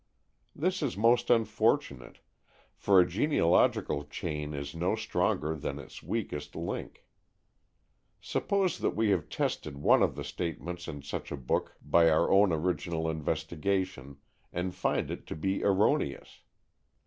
This is most unfortunate, for a genealogical chain is no stronger than its weakest link. Suppose that we have tested one of the statements in such a book by our own original investigations and find it to be erroneous.